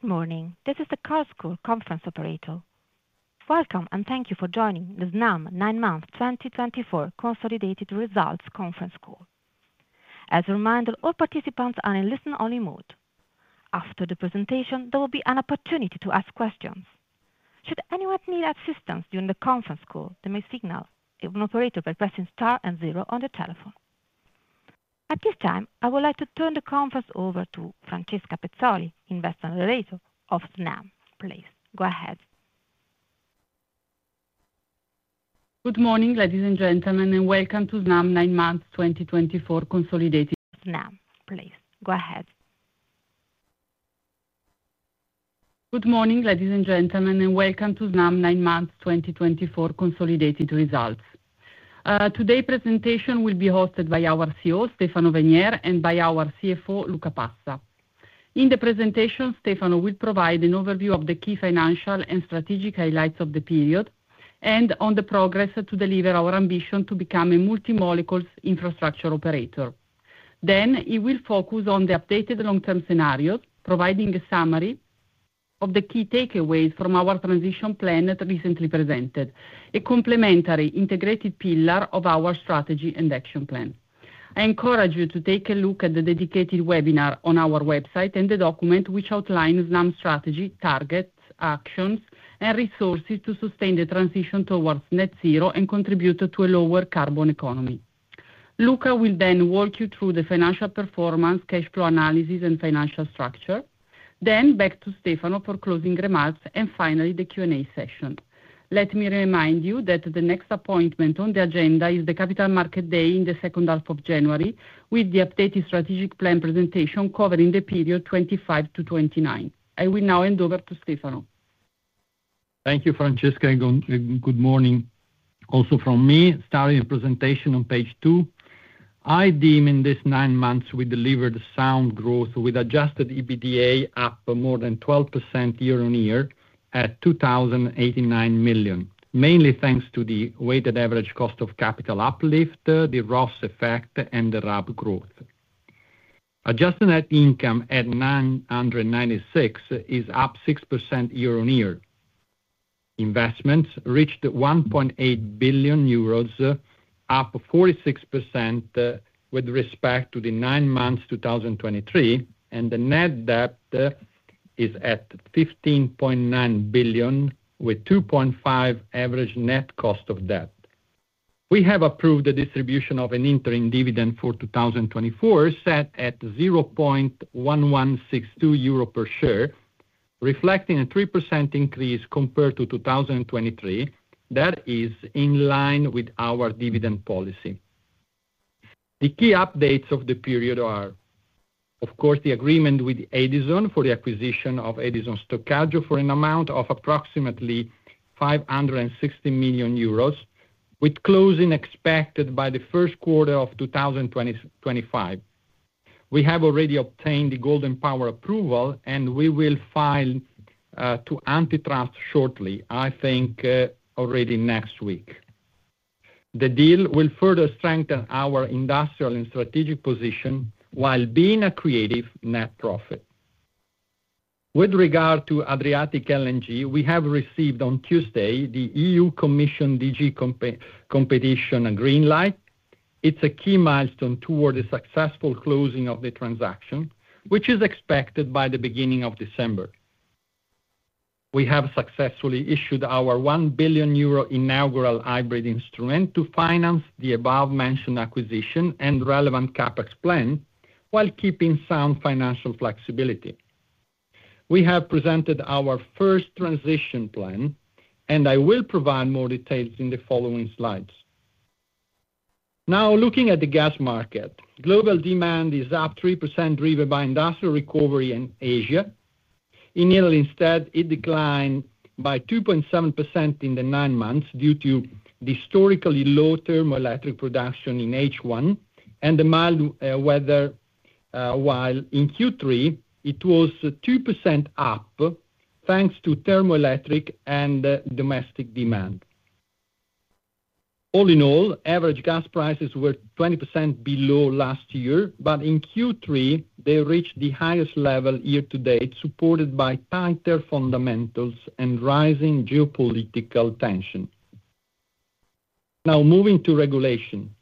Good morning. This is the Chorus Call conference operator. Welcome, and thank you for joining the Snam Nine-month 2024 Consolidated Results Conference Call. As a reminder, all participants are in listen-only mode. After the presentation, there will be an opportunity to ask questions. Should anyone need assistance during the conference call, they may signal the operator by pressing star and zero on the telephone. At this time, I would like to turn the conference over to Francesca Pezzoli, Head of Investor Relations, of Snam. Please go ahead. Good morning, ladies and gentlemen, and welcome to Snam Nine-month 2024 Consolidated. Snam. Please, go ahead. Good morning, ladies and gentlemen, and welcome to Snam's Nine-Month 2024 Consolidated Results. Today's presentation will be hosted by our CEO, Stefano Venier, and by our CFO, Luca Passa. In the presentation, Stefano will provide an overview of the key financial and strategic highlights of the period and on the progress to deliver our ambition to become a multi-molecules infrastructure operator. Then, he will focus on the updated long-term scenarios, providing a summary of the key takeaways from our transition plan that was recently presented, a complementary integrated pillar of our strategy and action plan. I encourage you to take a look at the dedicated webinar on our website and the document which outlines Snam strategy, targets, actions, and resources to sustain the transition towards Net Zero and contribute to a lower carbon economy. Luca will then walk you through the financial performance, cash flow analysis, and financial structure. Then, back to Stefano for closing remarks, and finally, the Q&A session. Let me remind you that the next appointment on the agenda is the Capital Market Day in the second half of January, with the updated strategic plan presentation covering the period 2025-2029. I will now hand over to Stefano. Thank you, Francesca. Good morning also from me. Starting the presentation on page two, indeed in these nine months we delivered sound growth with adjusted EBITDA up more than 12% year on year at 2,089 million, mainly thanks to the weighted average cost of capital uplift, the ROSS effect, and the RAB growth. Adjusted net income at 996 million is up 6% year on year. Investments reached 1.8 billion euros, up 46% with respect to the nine months 2023, and the net debt is at 15.9 billion, with 2.5% average net cost of debt. We have approved the distribution of an interim dividend for 2024 set at 0.1162 euro per share, reflecting a 3% increase compared to 2023. That is in line with our dividend policy. The key updates of the period are, of course, the agreement with Edison for the acquisition of Edison Stoccaggio for an amount of approximately 560 million euros, with closing expected by the first quarter of 2025. We have already obtained the Golden Power approval, and we will file to Antitrust shortly, I think already next week. The deal will further strengthen our industrial and strategic position while being an accretive net profit. With regard to Adriatic LNG, we have received on Tuesday the EU Commission DG Competition green light. It's a key milestone toward a successful closing of the transaction, which is expected by the beginning of December. We have successfully issued our 1 billion euro inaugural hybrid instrument to finance the above-mentioned acquisition and relevant CapEx plan while keeping sound financial flexibility. We have presented our first transition plan, and I will provide more details in the following slides. Now, looking at the gas market, global demand is up 3% driven by industrial recovery in Asia. In Italy, instead, it declined by 2.7% in the nine months due to the historically low thermoelectric production in H1 and the mild weather, while in Q3, it was 2% up thanks to thermoelectric and domestic demand. All in all, average gas prices were 20% below last year, but in Q3, they reached the highest level year to date, supported by tighter fundamentals and rising geopolitical tension. Now, moving to regulation,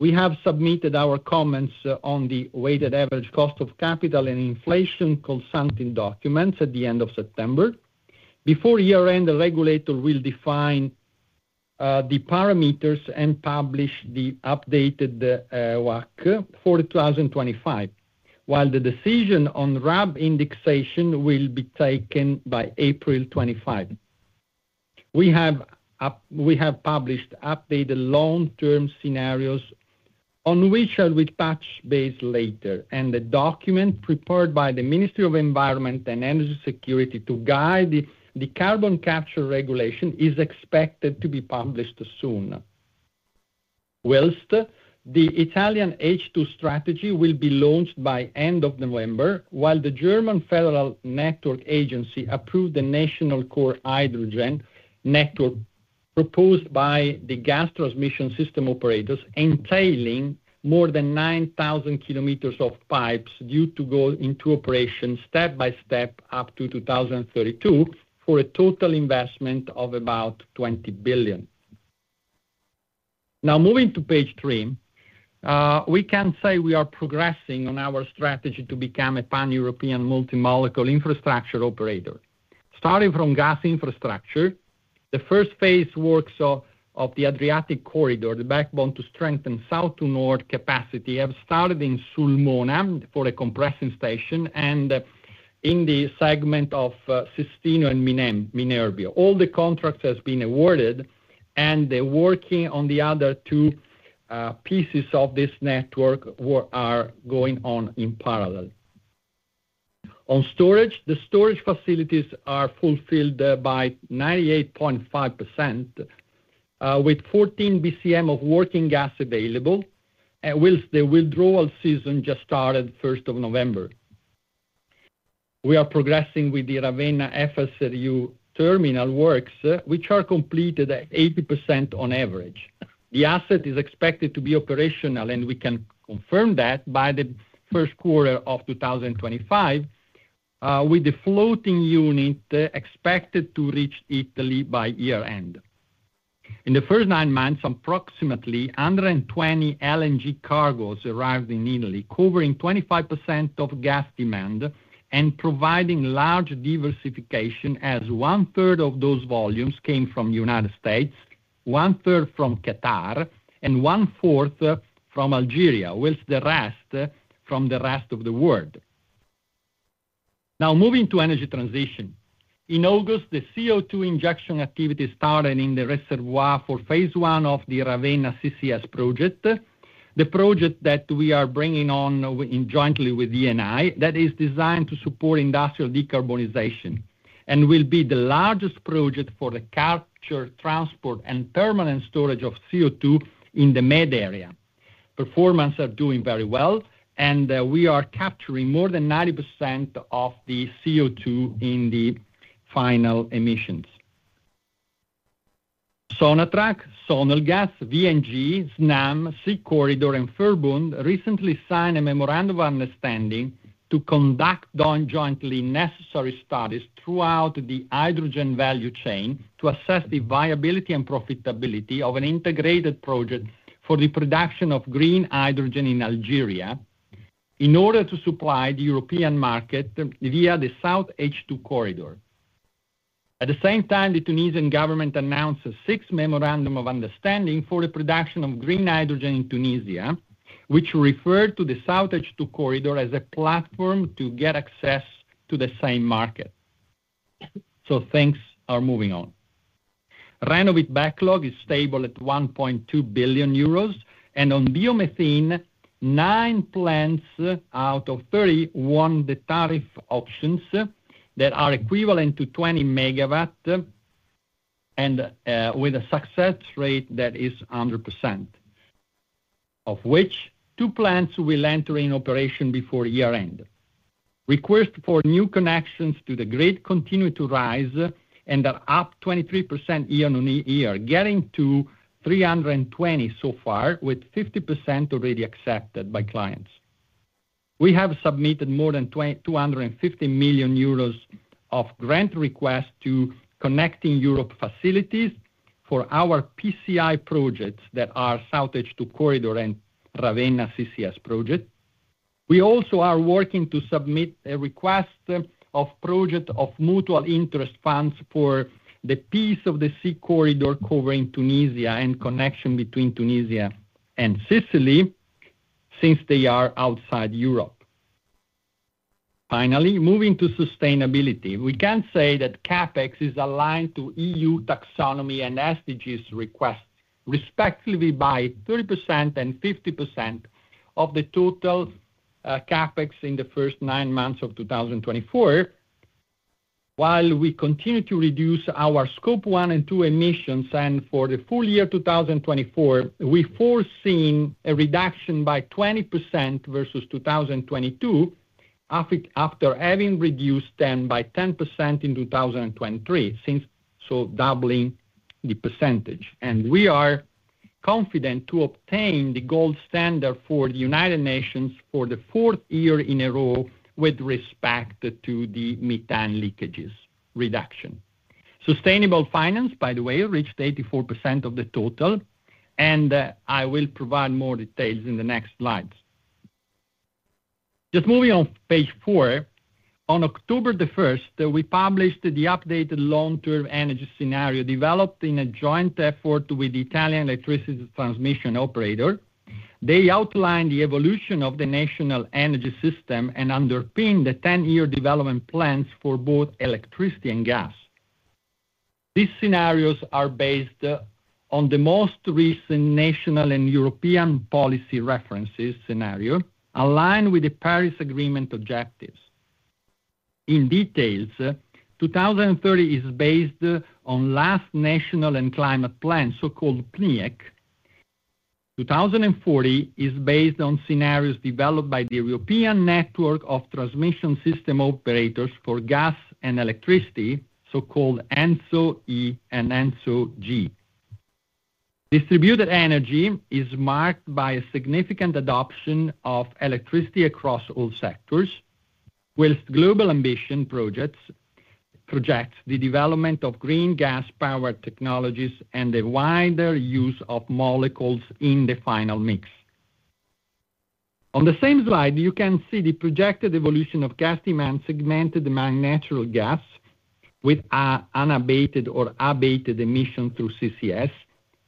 we have submitted our comments on the weighted average cost of capital and inflation consulting documents at the end of September. Before year-end, the regulator will define the parameters and publish the updated WACC for 2025, while the decision on RAB indexation will be taken by April 25. We have published updated long-term scenarios on which I will touch base later, and the document prepared by the Ministry of Environment and Energy Security to guide the carbon capture regulation is expected to be published soon. While the Italian H2 strategy will be launched by the end of November, while the German Federal Network Agency approved the National Core Hydrogen Network proposed by the gas transmission system operators, entailing more than 9,000 kilometers of pipes due to go into operation step by step up to 2032 for a total investment of about 20 billion. Now, moving to page three, we can say we are progressing on our strategy to become a pan-European multi-molecule infrastructure operator. Starting from gas infrastructure, the first phase works of the Adriatic Corridor, the backbone to strengthen south to north capacity, have started in Sulmona for a compression station and in the segment of Sestino and Minerbio. All the contracts have been awarded, and the work on the other two pieces of this network is going on in parallel. On storage, the storage facilities are filled by 98.5%, with 14 BCM of working gas available, while the withdrawal season just started on the first of November. We are progressing with the Ravenna FSRU terminal works, which are completed at 80% on average. The asset is expected to be operational, and we can confirm that by the first quarter of 2025, with the floating unit expected to reach Italy by year-end. In the first nine months, approximately 120 LNG cargoes arrived in Italy, covering 25% of gas demand and providing large diversification, as one-third of those volumes came from the United States, one-third from Qatar, and one-fourth from Algeria, while the rest from the rest of the world. Now, moving to energy transition. In August, the CO2 injection activity started in the reservoir for phase one of the Ravenna CCS project, the project that we are bringing on jointly with Eni, that is designed to support industrial decarbonization and will be the largest project for the capture, transport, and permanent storage of CO2 in the Med Area. Performance is doing very well, and we are capturing more than 90% of the CO2 in the final emissions. Sonatrach, Sonelgaz, VNG, Snam, SeaCorridor, and Verbund recently signed a memorandum of understanding to conduct jointly necessary studies throughout the hydrogen value chain to assess the viability and profitability of an integrated project for the production of green hydrogen in Algeria in order to supply the European market via the South H2 Corridor. At the same time, the Tunisian government announced a sixth memorandum of understanding for the production of green hydrogen in Tunisia, which referred to the South H2 Corridor as a platform to get access to the same market. So, things are moving on. Renovit backlog is stable at 1.2 billion euros, and on biomethane, nine plants out of 30 won the tariff options that are equivalent to 20 MW and with a success rate that is 100%, of which two plants will enter into operation before year-end. Requests for new connections to the grid continue to rise and are up 23% year on year, getting to 320 so far, with 50% already accepted by clients. We have submitted more than 250 million euros of grant requests to Connecting Europe Facility for our PCI projects that are South H2 Corridor and Ravenna CCS project. We also are working to submit a request of project of mutual interest funds for the piece of the SeaCorridor covering Tunisia and connection between Tunisia and Sicily since they are outside Europe. Finally, moving to sustainability, we can say that CapEx is aligned to EU taxonomy and SDGs requests, respectively by 30% and 50% of the total CapEx in the first nine months of 2024, while we continue to reduce our Scope one and two emissions. For the full year 2024, we foresee a reduction by 20% versus 2022 after having reduced them by 10% in 2023, so doubling the percentage. We are confident to obtain the Gold Standard for the United Nations for the fourth year in a row with respect to the methane leakages reduction. Sustainable finance, by the way, reached 84% of the total, and I will provide more details in the next slides. Just moving on, page four, on October the 1st, we published the updated long-term energy scenario developed in a joint effort with the Italian electricity transmission operator. They outlined the evolution of the national energy system and underpinned the 10-year development plans for both electricity and gas. These scenarios are based on the most recent national and European policy references scenario, aligned with the Paris Agreement objectives. In detail, 2030 is based on the last national and climate plan, so-called PNIEC. 2040 is based on scenarios developed by the European Network of Transmission System Operators for gas and electricity, so-called ENTSO-E and ENTSO-G. Distributed energy is marked by a significant adoption of electricity across all sectors, while global ambition projects the development of green gas-powered technologies and the wider use of molecules in the final mix. On the same slide, you can see the projected evolution of gas demand segmented by natural gas with unabated or abated emissions through CCS,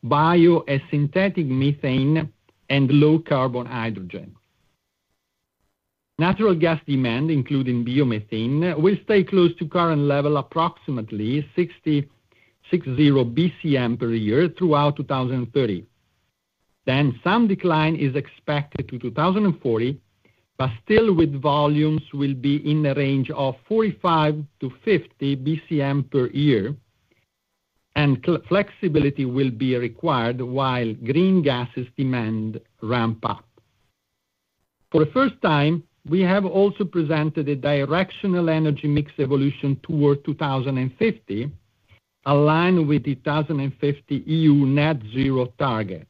bio and synthetic methane, and low carbon hydrogen. Natural gas demand, including biomethane, will stay close to the current level, approximately 660 BCM per year throughout 2030. Some decline is expected to 2040, but still, volumes will be in the range of 45-50 BCM per year, and flexibility will be required while green gases demand ramp up. For the first time, we have also presented a directional energy mix evolution toward 2050, aligned with the 2050 EU Net Zero target.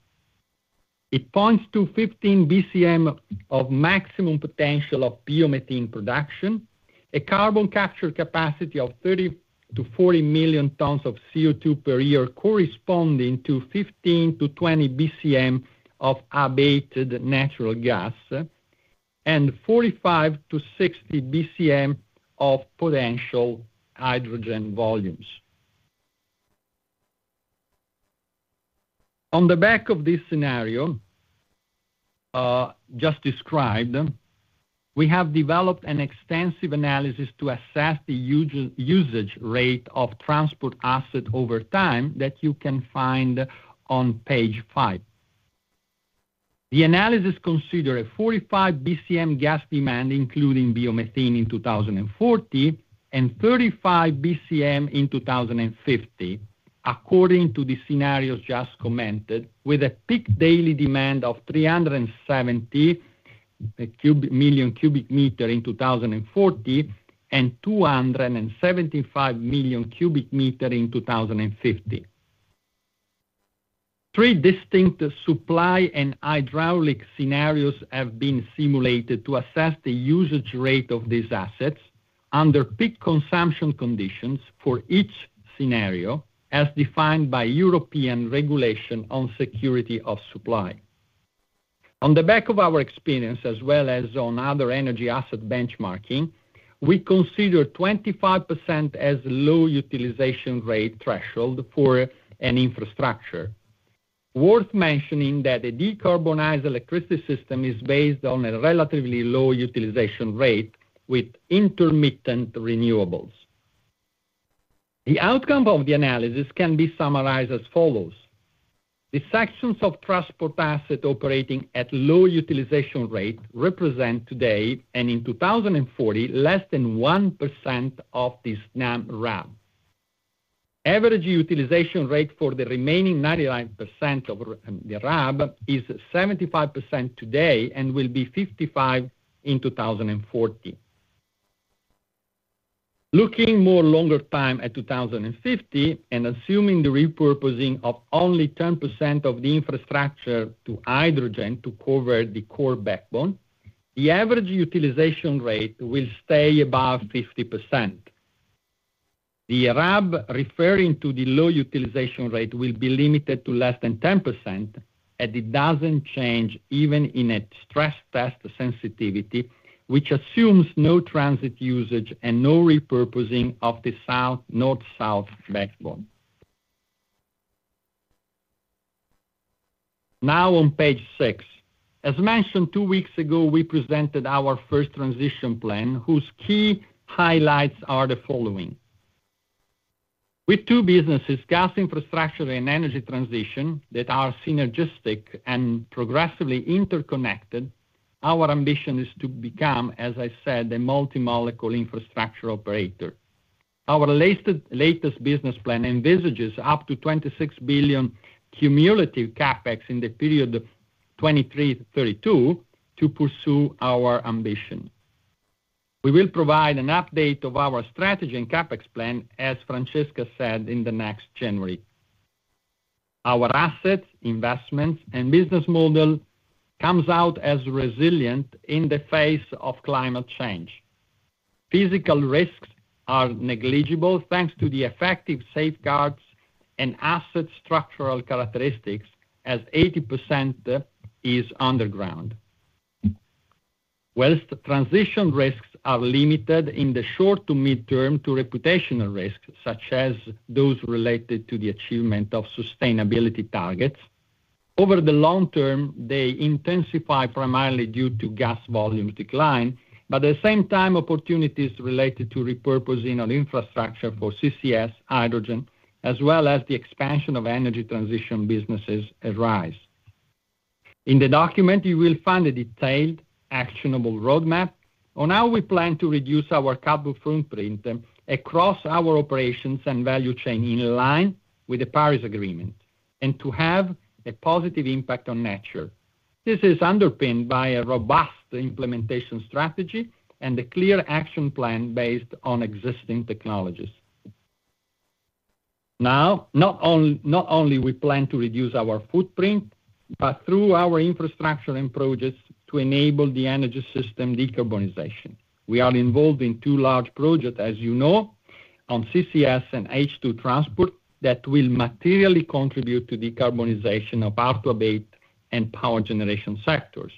It points to 15 BCM of maximum potential of biomethane production, a carbon capture capacity of 30-40 million tons of CO2 per year corresponding to 15-20 BCM of abated natural gas, and 45-60 BCM of potential hydrogen volumes. On the back of this scenario just described, we have developed an extensive analysis to assess the usage rate of transport asset over time that you can find on page five. The analysis considers a 45 BCM gas demand, including biomethane in 2040, and 35 BCM in 2050, according to the scenarios just commented, with a peak daily demand of 370 million cubic meters in 2040 and 275 million cubic meters in 2050. Three distinct supply and hydraulic scenarios have been simulated to assess the usage rate of these assets under peak consumption conditions for each scenario, as defined by European regulation on security of supply. On the back of our experience, as well as on other energy asset benchmarking, we consider 25% as a low utilization rate threshold for an infrastructure. Worth mentioning that the decarbonized electricity system is based on a relatively low utilization rate with intermittent renewables. The outcome of the analysis can be summarized as follows. The sections of transport assets operating at low utilization rate represent today and in 2040 less than 1% of the Snam RAB. Average utilization rate for the remaining 99% of the RAB is 75% today and will be 55% in 2040. Looking more longer time at 2050 and assuming the repurposing of only 10% of the infrastructure to hydrogen to cover the core backbone, the average utilization rate will stay above 50%. The RAB referring to the low utilization rate will be limited to less than 10%, and it doesn't change even in a stress test sensitivity, which assumes no transit usage and no repurposing of the south-north-south backbone. Now, on page six, as mentioned two weeks ago, we presented our first transition plan, whose key highlights are the following. With two businesses, gas infrastructure and energy transition, that are synergistic and progressively interconnected, our ambition is to become, as I said, a multi-molecule infrastructure operator. Our latest business plan envisages up to 26 billion cumulative CapEx in the period of 2023 to 2032 to pursue our ambition. We will provide an update of our strategy and CapEx plan, as Francesca said, in the next January. Our assets, investments, and business model come out as resilient in the face of climate change. Physical risks are negligible thanks to the effective safeguards and asset structural characteristics, as 80% is underground. While transition risks are limited in the short to midterm to reputational risks, such as those related to the achievement of sustainability targets. Over the long term, they intensify primarily due to gas volume decline, but at the same time, opportunities related to repurposing of infrastructure for CCS hydrogen, as well as the expansion of energy transition businesses, arise. In the document, you will find a detailed actionable roadmap on how we plan to reduce our carbon footprint across our operations and value chain in line with the Paris Agreement and to have a positive impact on nature. This is underpinned by a robust implementation strategy and a clear action plan based on existing technologies. Now, not only do we plan to reduce our footprint, but through our infrastructure and projects to enable the energy system decarbonization. We are involved in two large projects, as you know, on CCS and H2 transport that will materially contribute to decarbonization of our hard-to-abate and power generation sectors.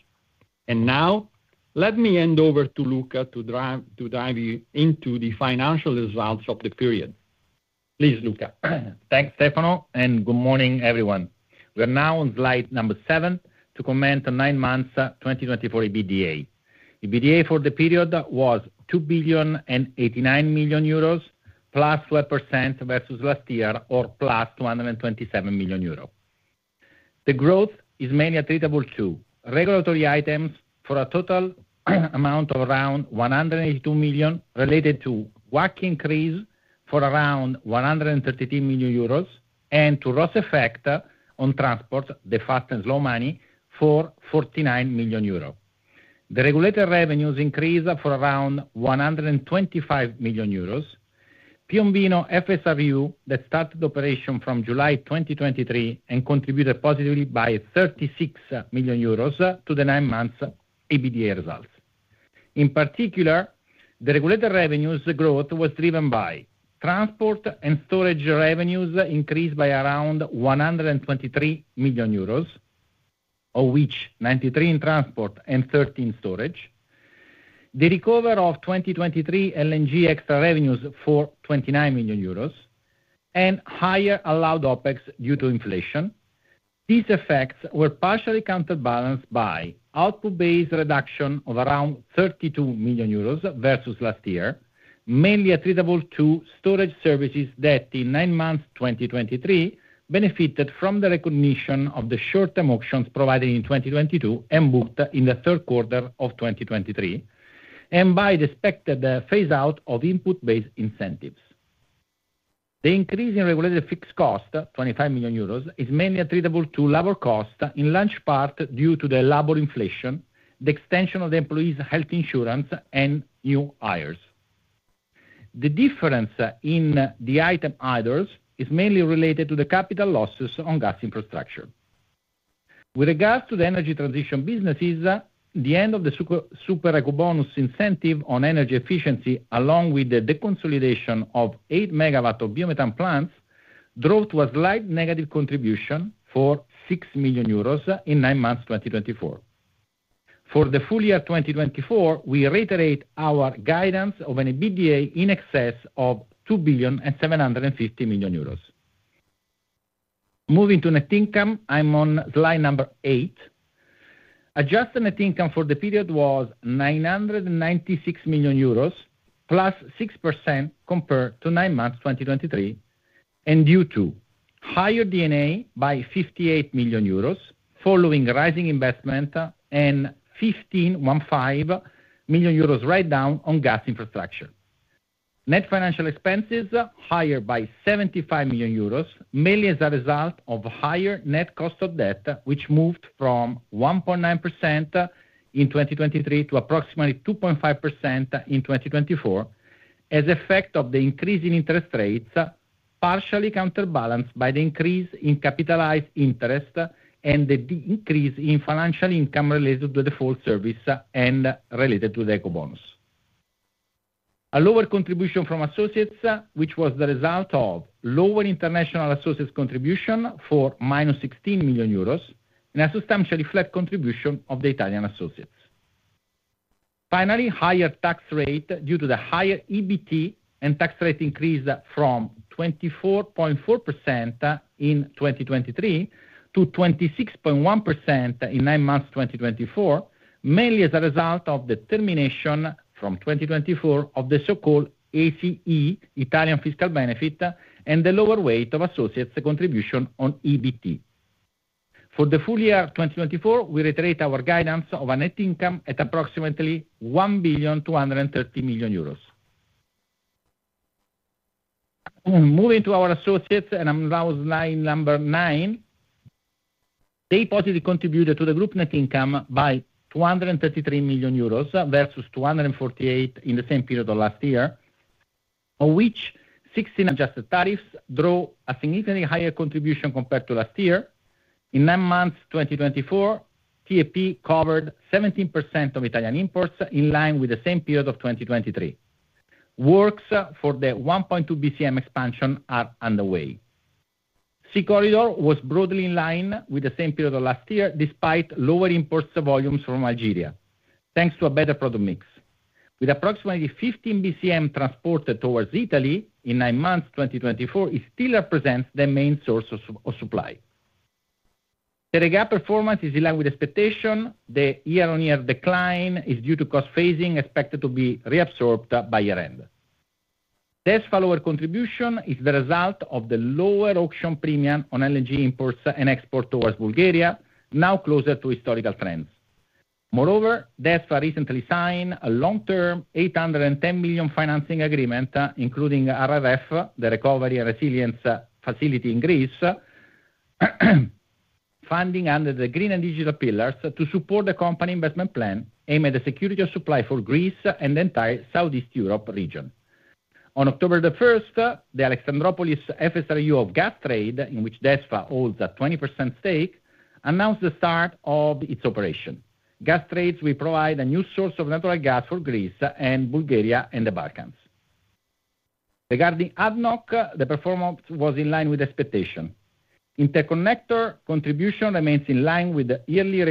Now, let me hand over to Luca to dive into the financial results of the period. Please, Luca. Thanks, Stefano, and good morning, everyone. We are now on slide number seven to comment on nine months 2024 EBITDA. EBITDA for the period was 2 billion and 89 million, +12% versus last year, or plus 227 million euros. The growth is mainly attributable to regulatory items for a total amount of around 182 million, related to WACC increase for around 133 million euros, and to RAB effect on transport, the fast and slow money, for 49 million euros. The regulated revenues increased for around 125 million euros. Piombino FSRU that started operation from July 2023 and contributed positively by 36 million euros to the nine months EBITDA results. In particular, the regulated revenues growth was driven by transport and storage revenues increased by around 123 million euros, of which 93 million EUR in transport and 13 million EUR in storage. The recovery of 2023 LNG extra revenues for 29 million euros and higher allowed OpEx due to inflation. These effects were partially counterbalanced by output-based reduction of around 32 million euros versus last year, mainly attributable to storage services that in nine months 2023 benefited from the recognition of the short-term options provided in 2022 and booked in the third quarter of 2023, and by the expected phase-out of input-based incentives. The increase in regulated fixed cost, 25 million euros, is mainly attributable to labor costs in large part due to the labor inflation, the extension of the employees' health insurance, and new hires. The difference in the item idles is mainly related to the capital losses on gas infrastructure. With regards to the energy transition businesses, the end of the Super Ecobonus incentive on energy efficiency, along with the consolidation of 8 MW of biomethane plants, drove to a slight negative contribution of 6 million euros in nine months 2024. For the full year 2024, we reiterate our guidance of an EBITDA in excess of 2 billion and 750 million. Moving to net income, I'm on slide number eight. Adjusted net income for the period was 996 million euros, +6% compared to nine months 2023, and due to higher EBITDA by 58 million euros following rising investment and 15.15 million euros write-down on gas infrastructure. Net financial expenses higher by 75 million euros, mainly as a result of higher net cost of debt, which moved from 1.9% in 2023 to approximately 2.5% in 2024, as an effect of the increase in interest rates, partially counterbalanced by the increase in capitalized interest and the increase in financial income related to the default service and related to the eco bonus. A lower contribution from associates, which was the result of lower international associates' contribution for minus 16 million euros, and a substantially flat contribution of the Italian associates. Finally, higher tax rate due to the higher EBT and tax rate increase from 24.4% in 2023 to 26.1% in nine months 2024, mainly as a result of the termination from 2024 of the so-called ACE, Italian fiscal benefit, and the lower weight of associates' contribution on EBT. For the full year 2024, we reiterate our guidance of a net income at approximately 1,230,000,000 euros. Moving to our associates, and I'm now on line number nine. They positively contributed to the group net income by 233 million euros versus 248 million in the same period of last year, of which 69. Adjusted tariffs drove a significantly higher contribution compared to last year. In nine months 2024, TAP covered 17% of Italian imports in line with the same period of 2023. Works for the 1.2 BCM expansion are underway. Sea Corridor was broadly in line with the same period of last year despite lower import volumes from Algeria, thanks to a better product mix. With approximately 15 BCM transported towards Italy in nine months 2024, it still represents the main source of supply. Terega performance is in line with expectation. The year-on-year decline is due to cost phasing expected to be reabsorbed by year-end. DESFA lower contribution is the result of the lower auction premium on LNG imports and export towards Bulgaria, now closer to historical trends. Moreover, DESFA recently signed a long-term 810 million financing agreement, including RRF, the recovery and resilience facility in Greece, funding under the green and digital pillars to support the company investment plan aimed at the security of supply for Greece and the entire Southeast Europe region. On October the 1st, the Alexandroupolis FSRU of Gastrade, in which DESFA holds a 20% stake, announced the start of its operation. Gastrade will provide a new source of natural gas for Greece and Bulgaria and the Balkans. Regarding ADNOC, the performance was in line with expectation. Interconnector contribution remains in line with the yearly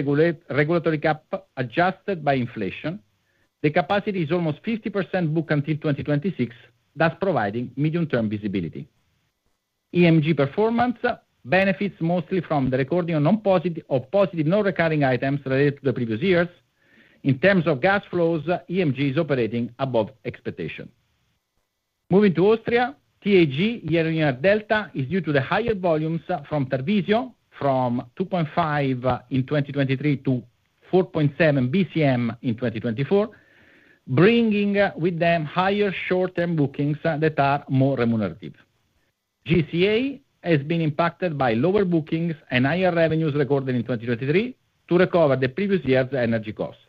regulatory cap adjusted by inflation. The capacity is almost 50% booked until 2026, thus providing medium-term visibility. EMG performance benefits mostly from the recording of positive non-recurring items related to the previous years. In terms of gas flows, EMG is operating above expectation. Moving to Austria, TAG year-on-year delta is due to the higher volumes from Treviso, from 2.5 in 2023 to 4.7 BCM in 2024, bringing with them higher short-term bookings that are more remunerative. GCA has been impacted by lower bookings and higher revenues recorded in 2023 to recover the previous year's energy costs.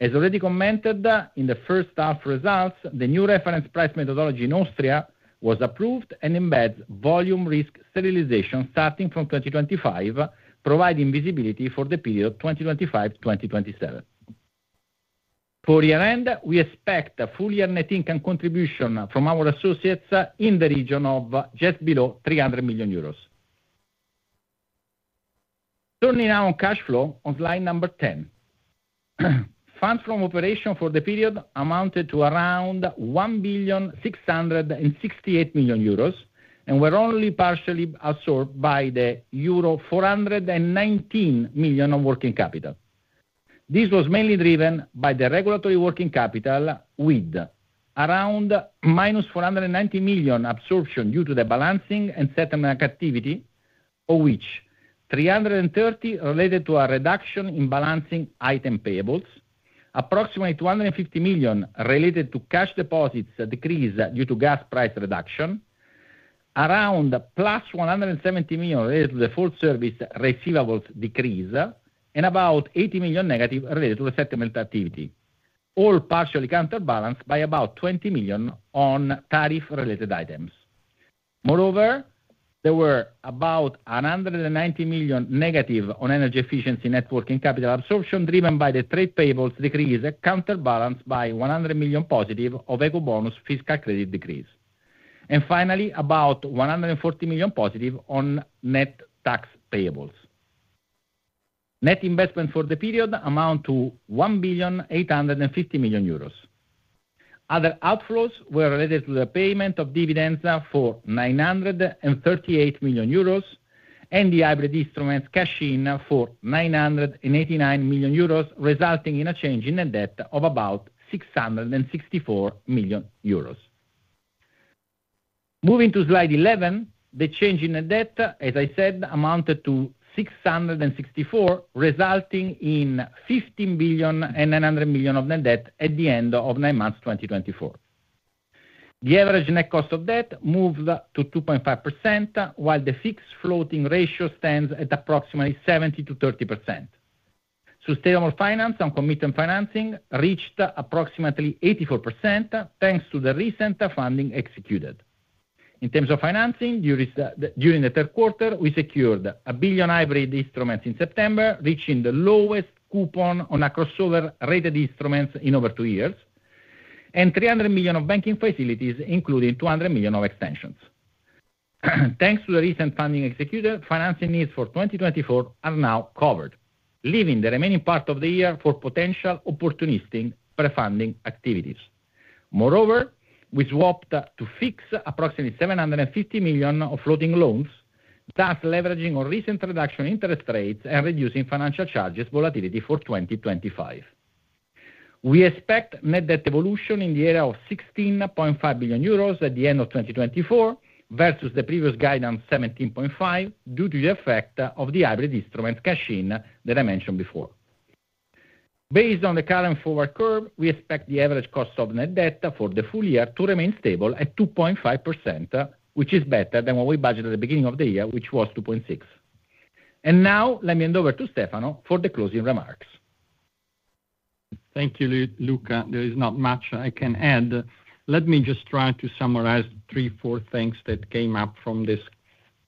As already commented in the first half results, the new reference price methodology in Austria was approved and embeds volume risk sterilization starting from 2025, providing visibility for the period 2025-2027. For year-end, we expect a full year net income contribution from our associates in the region of just below 300 million euros. Turning now on cash flow on slide number 10, funds from operation for the period amounted to around 1,668,000,000 euros and were only partially absorbed by the euro 419 million of working capital. This was mainly driven by the regulatory working capital with around minus 490 million absorption due to the balancing and settlement activity, of which 330 related to a reduction in balancing item payables, approximately 250 million related to cash deposits decrease due to gas price reduction, around plus 170 million related to the full service receivables decrease, and about 80 million negative related to the settlement activity, all partially counterbalanced by about 20 million on tariff-related items. Moreover, there were about 190 million negative on energy efficiency working capital absorption driven by the trade payables decrease, counterbalanced by 100 million positive of eco bonus fiscal credit decrease. And finally, about 140 million positive on net tax payables. Net investment for the period amounted to 1,850,000,000 euros. Other outflows were related to the payment of dividends for 938 million euros and the hybrid instruments cash in for 989 million euros, resulting in a change in net debt of about 664 million euros. Moving to slide 11, the change in net debt, as I said, amounted to 664, resulting in 15,900,000,000 of net debt at the end of nine months 2024. The average net cost of debt moved to 2.5%, while the fixed floating ratio stands at approximately 70% - 30%. Sustainable finance and commitment financing reached approximately 84% thanks to the recent funding executed. In terms of financing, during the third quarter, we secured 1 billion hybrid instruments in September, reaching the lowest coupon on a crossover rated instruments in over two years, and 300 million of banking facilities, including 200 million of extensions. Thanks to the recent funding executed, financing needs for 2024 are now covered, leaving the remaining part of the year for potential opportunistic refunding activities. Moreover, we swapped to fix approximately 750 million of floating loans, thus leveraging on recent reduction in interest rates and reducing financial charges volatility for 2025. We expect net debt evolution in the area of 16.5 billion euros at the end of 2024 versus the previous guidance 17.5 billion due to the effect of the hybrid instrument cash in that I mentioned before. Based on the current forward curve, we expect the average cost of net debt for the full year to remain stable at 2.5%, which is better than what we budgeted at the beginning of the year, which was 2.6%. And now, let me hand over to Stefano for the closing remarks. Thank you, Luca. There is not much I can add. Let me just try to summarize three, four things that came up from this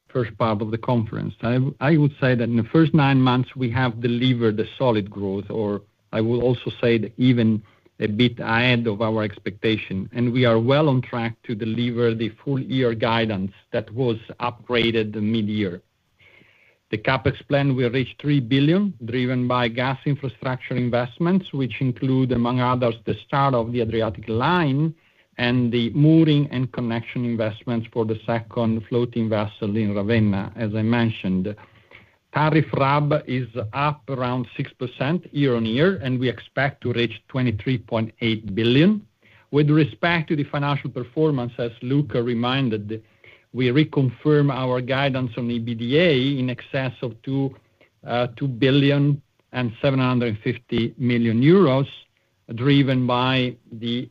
first part of the conference. I would say that in the first nine months, we have delivered a solid growth, or I will also say even a bit ahead of our expectation, and we are well on track to deliver the full year guidance that was upgraded mid-year. The CapEx plan will reach 3 billion, driven by gas infrastructure investments, which include, among others, the start of the Adriatic Line and the mooring and connection investments for the second floating vessel in Ravenna, as I mentioned. Tariff RAB is up around 6% year-on-year, and we expect to reach 23.8 billion. With respect to the financial performance, as Luca reminded, we reconfirm our guidance on EBITDA in excess of 2 billion and 750 million euros, driven by the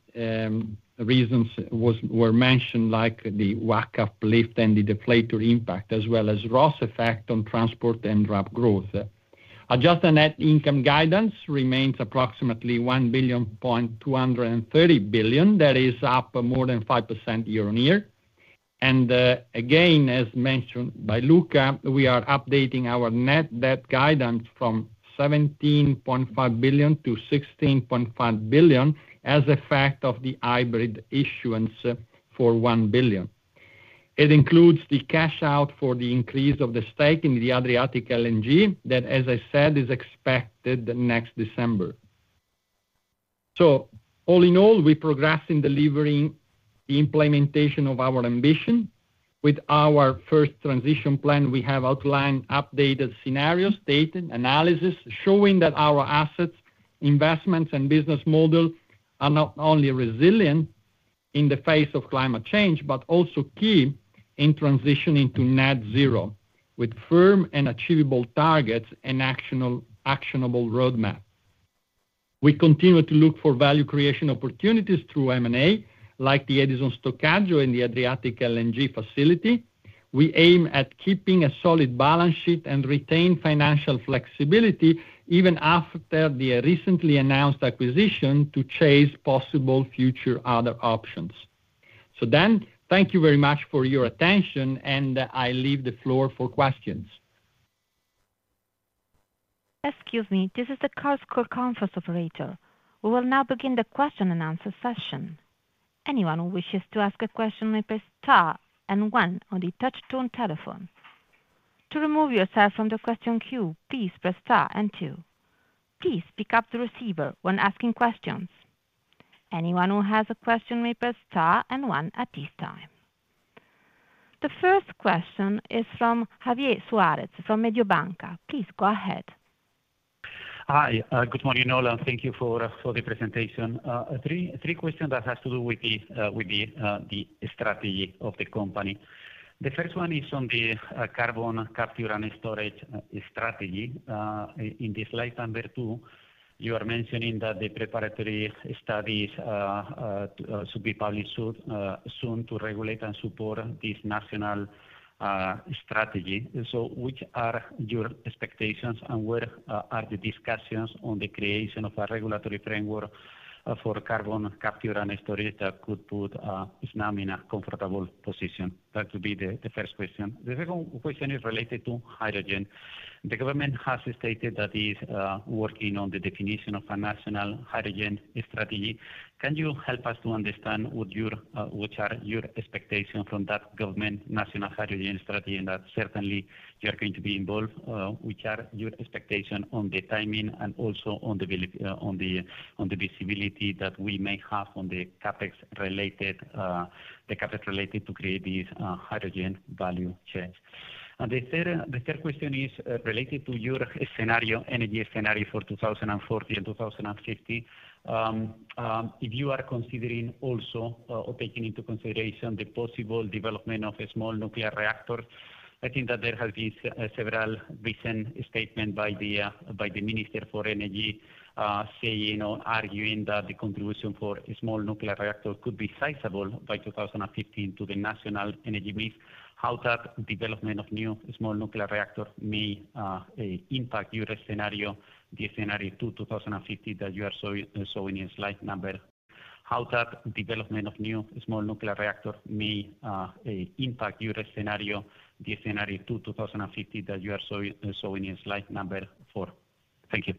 reasons we mentioned, like the WACC uplift and the deflator impact, as well as the ROSS effect on transport and RAB growth. Adjusted net income guidance remains approximately 1.23 billion. That is up more than 5% year-on-year. Again, as mentioned by Luca, we are updating our net debt guidance from 17.5 billion to 16.5 billion as a result of the hybrid issuance for 1 billion. It includes the cash out for the increase of the stake in the Adriatic LNG that, as I said, is expected next December, so all in all, we progress in delivering the implementation of our ambition. With our first transition plan, we have outlined updated scenarios, data, and analysis showing that our assets, investments, and business model are not only resilient in the face of climate change, but also key in transitioning to net zero with firm and achievable targets and actionable roadmap. We continue to look for value creation opportunities through M&A, like the Edison Stoccaggio and the Adriatic LNG facility. We aim at keeping a solid balance sheet and retain financial flexibility even after the recently announced acquisition to chase possible future other options, so then, thank you very much for your attention, and I leave the floor for questions. Excuse me, this is the Chorus Call Conference Operator. We will now begin the question and answer session. Anyone who wishes to ask a question may press star and one on the touch-tone telephone. To remove yourself from the question queue, please press star and two. Please pick up the receiver when asking questions. Anyone who has a question may press star and one at this time. The first question is from Javier Suárez from Mediobanca. Please go ahead. Hi, good morning, all. Thank you for the presentation. Three questions that have to do with the strategy of the company. The first one is on the carbon capture and storage strategy. In this slide number two, you are mentioning that the preparatory studies should be published soon to regulate and support this national strategy. So which are your expectations and where are the discussions on the creation of a regulatory framework for carbon capture and storage that could put Snam in a comfortable position? That would be the first question. The second question is related to hydrogen. The government has stated that it is working on the definition of a national hydrogen strategy. Can you help us to understand what are your expectations from that government national hydrogen strategy? And that certainly you are going to be involved. Which are your expectations on the timing and also on the visibility that we may have on the CapEx related to create these hydrogen value chains? And the third question is related to your scenario, energy scenario for 2040 and 2050. If you are considering also or taking into consideration the possible development of a small nuclear reactor, I think that there have been several recent statements by the Minister for Energy saying or arguing that the contribution for a small nuclear reactor could be sizable by 2015 to the national energy mix, how that development of new small nuclear reactor may impact your scenario, the scenario to 2050 that you are showing in slide number four. Thank you.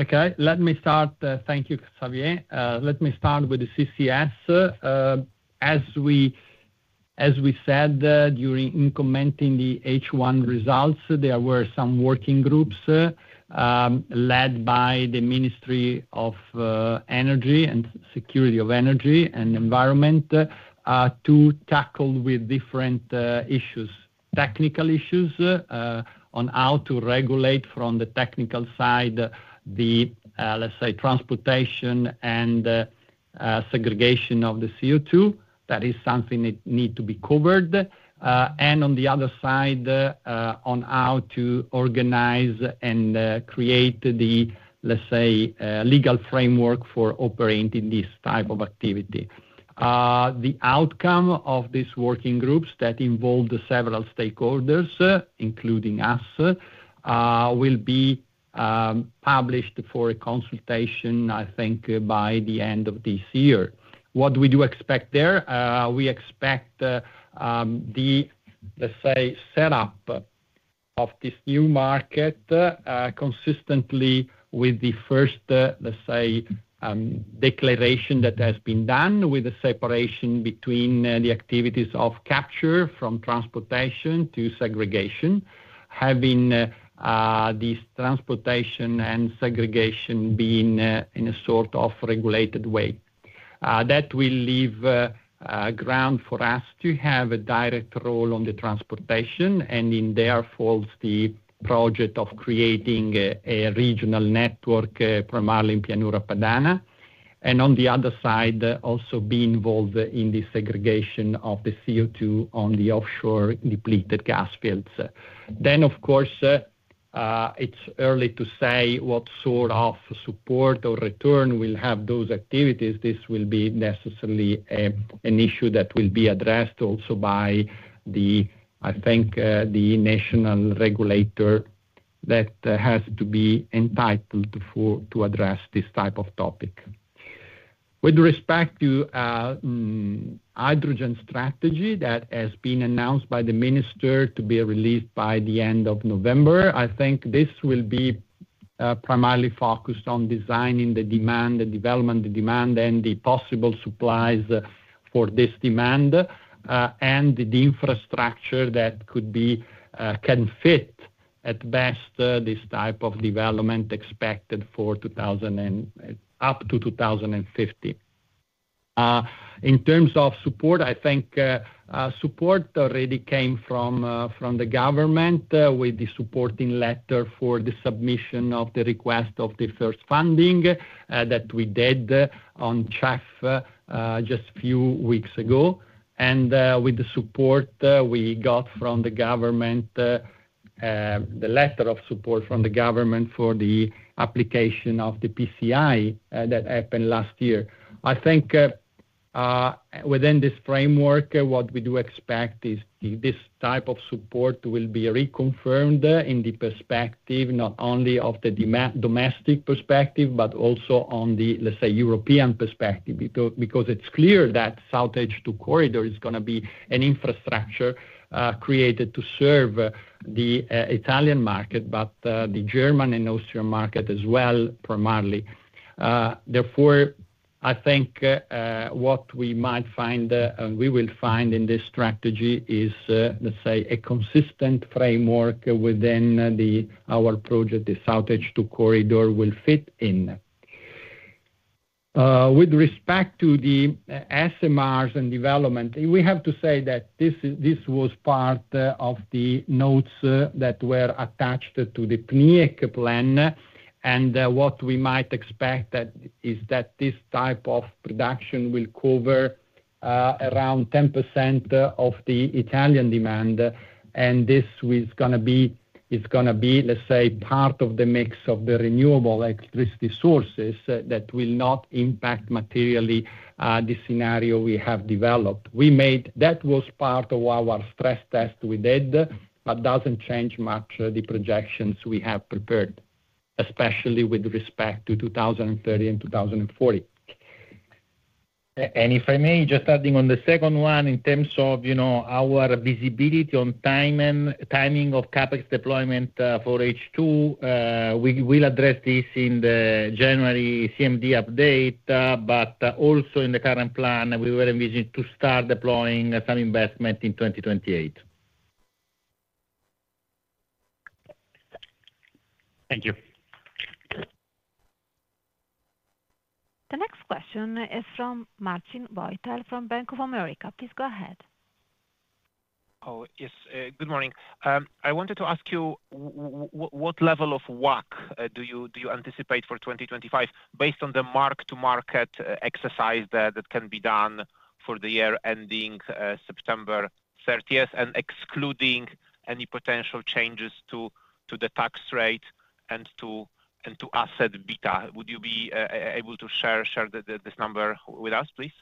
Okay, let me start. Thank you, Javier. Let me start with the CCS. As we said during commenting the H1 results, there were some working groups led by the Ministry of Environment and Energy Security to tackle with different issues, technical issues on how to regulate from the technical side the, let's say, transportation and segregation of the CO2. That is something that needs to be covered. And on the other side, on how to organize and create the, let's say, legal framework for operating this type of activity. The outcome of these working groups that involved several stakeholders, including us, will be published for a consultation, I think, by the end of this year. What we do expect there, we expect the, let's say, setup of this new market consistently with the first, let's say, declaration that has been done with the separation between the activities of capture from transportation and sequestration, having this transportation and sequestration being in a sort of regulated way. That will leave ground for us to have a direct role on the transportation and in the fold, the project of creating a regional network from Pianura Padana. And on the other side, also be involved in the sequestration of the CO2 on the offshore depleted gas fields. Then, of course, it's early to say what sort of support or return will have those activities. This will be necessarily an issue that will be addressed also by the, I think, the national regulator that has to be entitled to address this type of topic. With respect to the hydrogen strategy that has been announced by the minister to be released by the end of November, I think this will be primarily focused on defining the demand and developing demand and the possible supplies for this demand and the infrastructure that could best fit this type of development expected up to 2050. In terms of support, I think support already came from the government with the supporting letter for the submission of the request for the first funding that we did on CEF just a few weeks ago, and with the support we got from the government, the letter of support from the government for the application of the PCI that happened last year. I think within this framework, what we do expect is this type of support will be reconfirmed in the perspective not only of the domestic perspective, but also on the, let's say, European perspective, because it's clear that the Adriatic Corridor is going to be an infrastructure created to serve the Italian market, but the German and Austrian market as well, primarily. Therefore, I think what we might find and we will find in this strategy is, let's say, a consistent framework within our project, the Adriatic Corridor will fit in. With respect to the SMRs and development, we have to say that this was part of the notes that were attached to the PNIEC plan. And what we might expect is that this type of production will cover around 10% of the Italian demand. This is going to be, let's say, part of the mix of the renewable electricity sources that will not impact materially the scenario we have developed. That was part of our stress test we did, but doesn't change much the projections we have prepared, especially with respect to 2030 and 2040. If I may, just adding on the second one, in terms of our visibility on timing of CapEx deployment for H2, we will address this in the January CMD update, but also in the current plan, we were envisioned to start deploying some investment in 2028. Thank you. The next question is from Marcin Wojtal from Bank of America. Please go ahead. Oh, yes. Good morning. I wanted to ask you, what level of WACC do you anticipate for 2025 based on the mark-to-market exercise that can be done for the year ending September 30th and excluding any potential changes to the tax rate and to asset beta? Would you be able to share this number with us, please?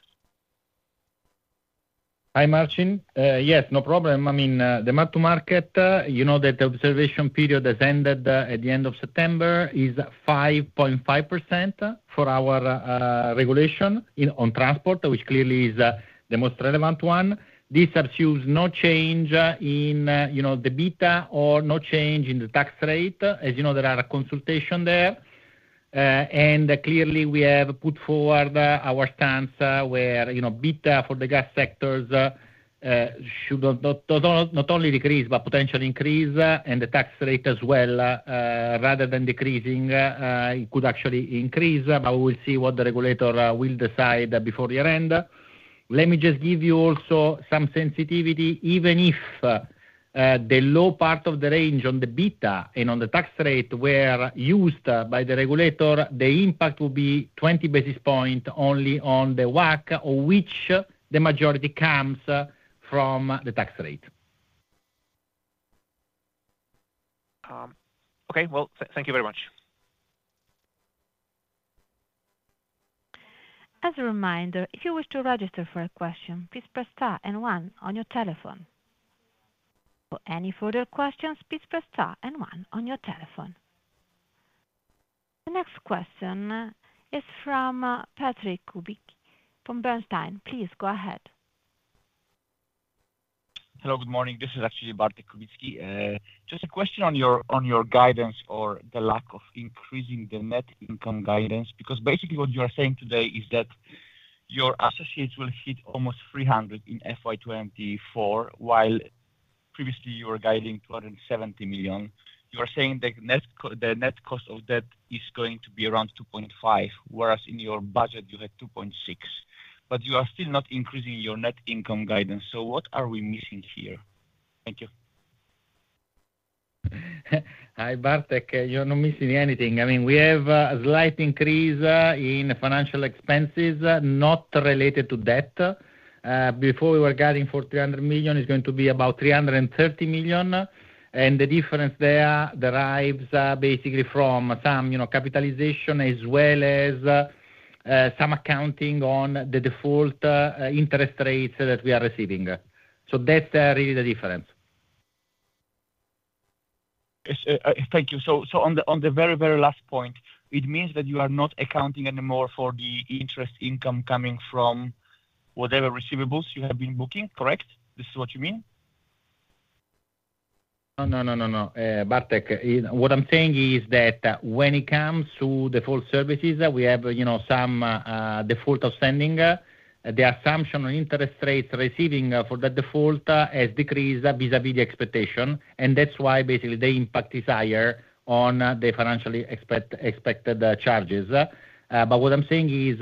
Hi, Marcin. Yes, no problem. I mean, the mark-to-market, you know that the observation period has ended at the end of September, is 5.5% for our regulation on transport, which clearly is the most relevant one. This assumes no change in the beta or no change in the tax rate. As you know, there are consultations there. And clearly, we have put forward our stance where beta for the gas sectors should not only decrease, but potentially increase in the tax rate as well. Rather than decreasing, it could actually increase, but we will see what the regulator will decide before year-end. Let me just give you also some sensitivity. Even if the low part of the range on the beta and on the tax rate were used by the regulator, the impact will be 20 basis points only on the WACC, which the majority comes from the tax rate. Okay, well, thank you very much. As a reminder, if you wish to register for a question, please press star and one on your telephone. For any further questions, please press star and one on your telephone. The next question is from Bartek Kubicki from Bernstein. Please go ahead. Hello, good morning. This is actually Bartek Kubicki. Just a question on your guidance or the lack of increasing the net income guidance, because basically what you are saying today is that your associates will hit almost 300 million in FY24, while previously you were guiding 270 million. You are saying the net cost of debt is going to be around 2.5, whereas in your budget you had 2.6, but you are still not increasing your net income guidance. So what are we missing here? Thank you. Hi, Bartek. You're not missing anything. I mean, we have a slight increase in financial expenses not related to debt. Before we were guiding for 300 million, it's going to be about 330 million. And the difference there derives basically from some capitalization as well as some accounting on the default interest rates that we are receiving. So that's really the difference. Thank you. So on the very, very last point, it means that you are not accounting anymore for the interest income coming from whatever receivables you have been booking, correct? This is what you mean? No, no, no, no, no. Bartek, what I'm saying is that when it comes to default services, we have some deferrals outstanding. The assumption on interest receivables for the deferrals has decreased vis-à-vis the expectation. And that's why basically the impact is higher on the financial expected charges. But what I'm saying is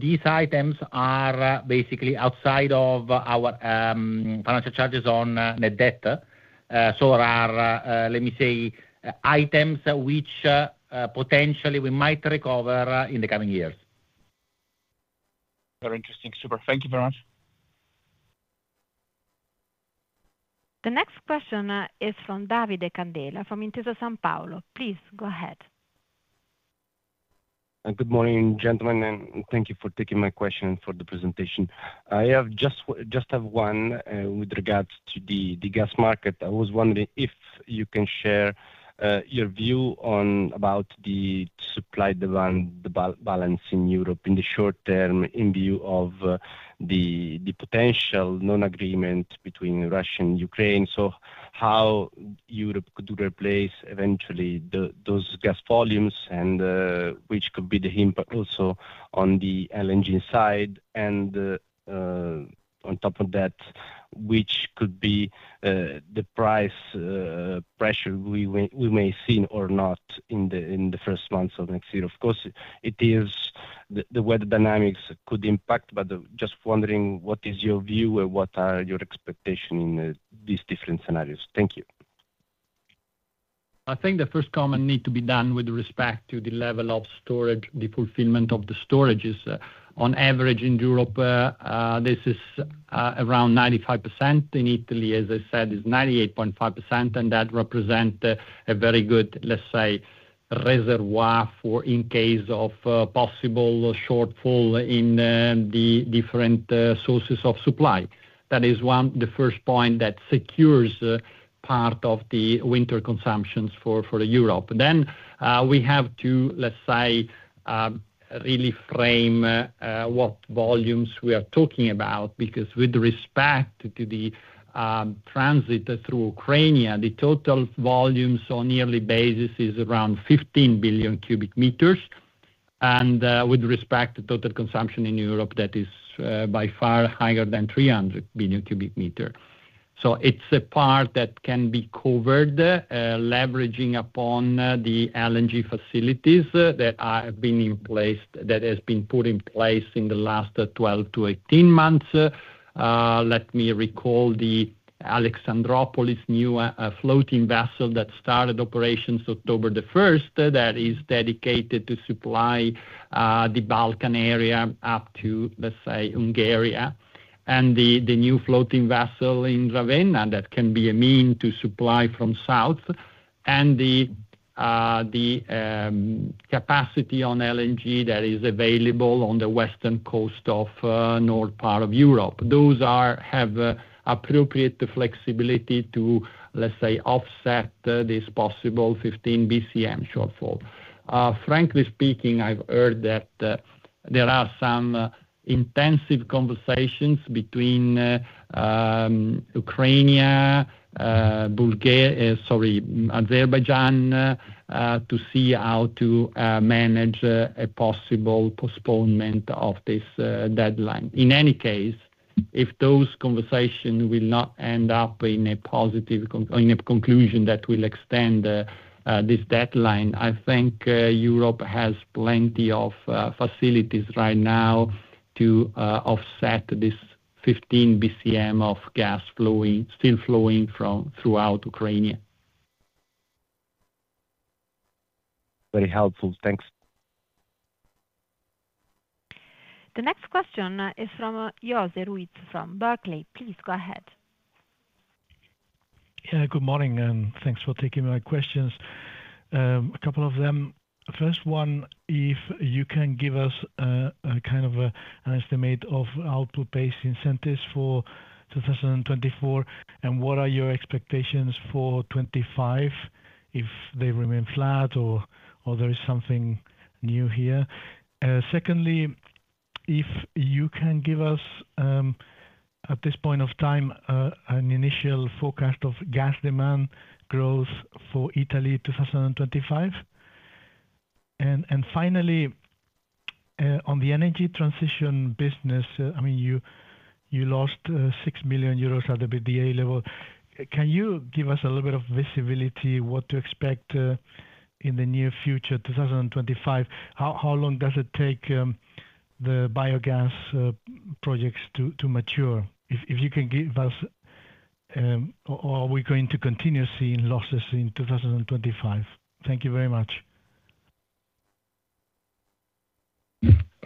these items are basically outside of our financial charges on net debt. So there are, let me say, items which potentially we might recover in the coming years. Very interesting. Super. Thank you very much. The next question is from Davide Candela from Intesa Sanpaolo. Please go ahead. Good morning, gentlemen, and thank you for taking my question for the presentation. I just have one with regards to the gas market. I was wondering if you can share your view about the supply-demand balance in Europe in the short term in view of the potential non-agreement between Russia and Ukraine. So how Europe could replace eventually those gas volumes and which could be the impact also on the LNG side. And on top of that, which could be the price pressure we may see or not in the first months of next year. Of course, it is the weather dynamics could impact, but just wondering what is your view and what are your expectations in these different scenarios. Thank you. I think the first comment needs to be done with respect to the level of storage, the fulfillment of the storages. On average in Europe, this is around 95%. In Italy, as I said, it's 98.5%, and that represents a very good, let's say, reservoir for in case of possible shortfall in the different sources of supply. That is the first point that secures part of the winter consumptions for Europe. Then we have to, let's say, really frame what volumes we are talking about, because with respect to the transit through Ukraine, the total volumes on yearly basis is around 15 billion cubic meters. And with respect to total consumption in Europe, that is by far higher than 300 billion cubic meters. So it's a part that can be covered, leveraging upon the LNG facilities that have been in place, that has been put in place in the last 12-18 months. Let me recall the Alexandroupolis new floating vessel that started operations October the 1st that is dedicated to supply the Balkan area up to, let's say, Hungary. And the new floating vessel in Ravenna that can be a means to supply from south. And the capacity on LNG that is available on the western coast of north part of Europe. Those have appropriate flexibility to, let's say, offset this possible 15 BCM shortfall. Frankly speaking, I've heard that there are some intensive conversations between Ukraine, Bulgaria, sorry, Azerbaijan to see how to manage a possible postponement of this deadline. In any case, if those conversations will not end up in a positive conclusion that will extend this deadline, I think Europe has plenty of facilities right now to offset this 15 BCM of gas still flowing throughout Ukraine. Very helpful. Thanks. The next question is from Jose Ruiz from Barclays. Please go ahead. Yeah, good morning. And thanks for taking my questions. A couple of them. First one, if you can give us a kind of an estimate of output-based incentives for 2024, and what are your expectations for 2025 if they remain flat or there is something new here? Secondly, if you can give us, at this point of time, an initial forecast of gas demand growth for Italy 2025. And finally, on the energy transition business, I mean, you lost 6 million euros at the EBITDA level. Can you give us a little bit of visibility what to expect in the near future, 2025? How long does it take the biogas projects to mature? If you can give us, are we going to continue seeing losses in 2025? Thank you very much.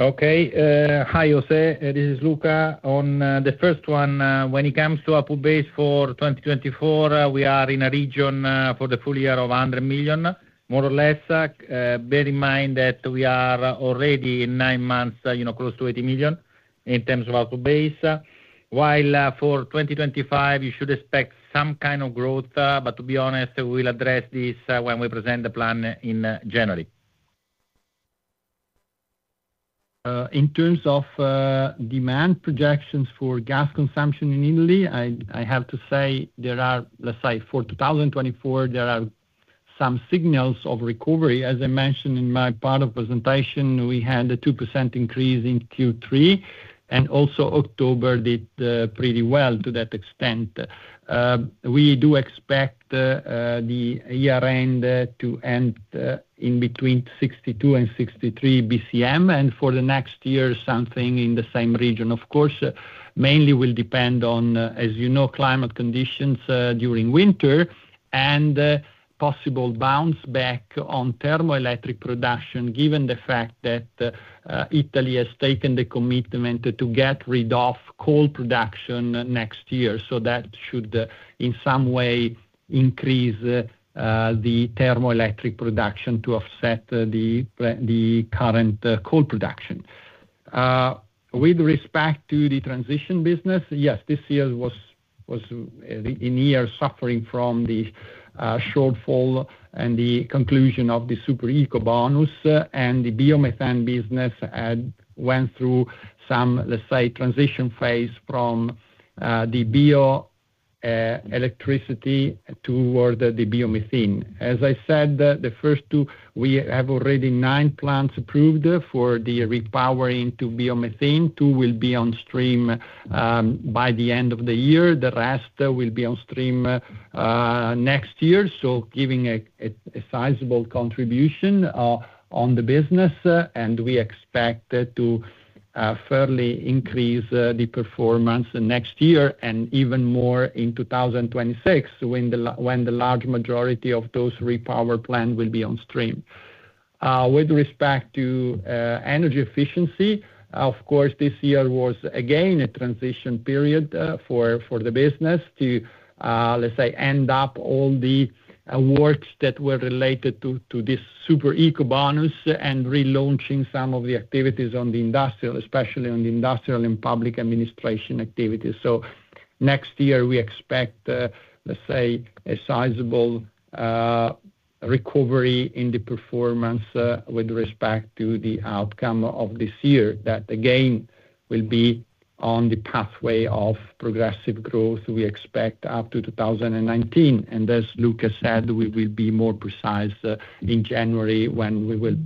Okay. Hi, José. This is Luca. On the first one, when it comes to output-based for 2024, we are in a region for the full year of 100 million, more or less. Bear in mind that we are already in nine months, close to 80 million in terms of output-based. While for 2025, you should expect some kind of growth, but to be honest, we'll address this when we present the plan in January. In terms of demand projections for gas consumption in Italy, I have to say there are, let's say, for 2024, there are some signals of recovery. As I mentioned in my part of presentation, we had a 2% increase in Q3, and also October did pretty well to that extent. We do expect the year-end to end in between 62 and 63 BCM, and for the next year, something in the same region. Of course, mainly will depend on, as you know, climate conditions during winter and possible bounce back on thermoelectric production, given the fact that Italy has taken the commitment to get rid of coal production next year, so that should in some way increase the thermoelectric production to offset the current coal production. With respect to the transition business, yes, this year was a year suffering from the shortfall and the conclusion of the Super Ecobonus, and the biomethane business went through some, let's say, transition phase from the bioelectricity toward the biomethane. As I said, the first two, we have already nine plants approved for the repowering to biomethane. Two will be on stream by the end of the year. The rest will be on stream next year, so giving a sizable contribution on the business, and we expect to fairly increase the performance next year and even more in 2026 when the large majority of those repowered plants will be on stream. With respect to energy efficiency, of course, this year was again a transition period for the business to, let's say, end up all the works that were related to this Super Ecobonus and relaunching some of the activities on the industrial, especially on the industrial and public administration activities. So next year, we expect, let's say, a sizable recovery in the performance with respect to the outcome of this year that again will be on the pathway of progressive growth we expect up to 2019. As Luca said, we will be more precise in January when we will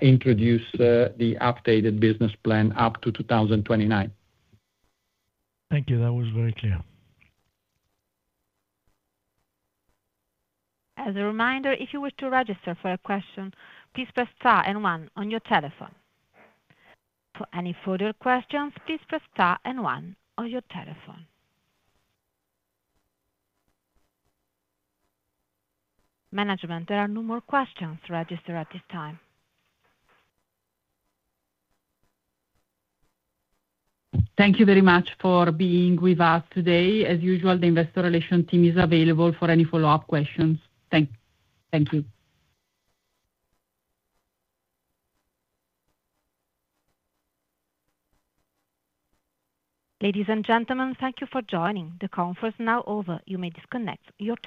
introduce the updated business plan up to 2029. Thank you. That was very clear. As a reminder, if you wish to register for a question, please press star and one on your telephone. For any further questions, please press star and one on your telephone. Management, there are no more questions registered at this time. Thank you very much for being with us today. As usual, the Investor Relations team is available for any follow-up questions. Thank you. Ladies and gentlemen, thank you for joining. The conference is now over. You may disconnect your.